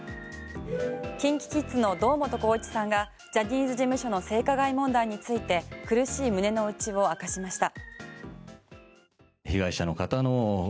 ＫｉｎＫｉＫｉｄｓの堂本光一さんがジャニーズ事務所の性加害問題について苦しい胸の内を明かしました。